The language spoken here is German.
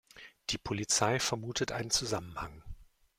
Die Polizei vermutet einen Zusammenhang.